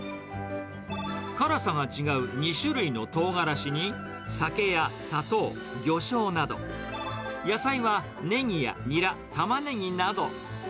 辛さが違う２種類のトウガラシに、酒や砂糖、魚醤など、野菜はネギやニラ、タマネギなど。